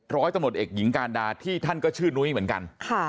ร้อยตำรวจเอกหญิงการดาที่ท่านก็ชื่อนุ้ยเหมือนกัน